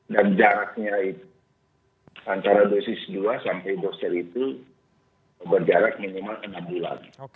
dan jaraknya itu antara dosis dua sampai dosis itu berjarak minimal enam bulan